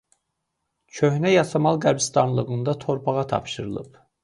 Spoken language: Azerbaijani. Köhnə Yasamal qəbiristanlığında torpağa tapşırılıb.